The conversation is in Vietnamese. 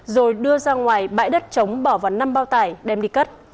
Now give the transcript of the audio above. rồi đưa ra ngoài bãi đất trống bỏ vào năm bao tải đem đi cất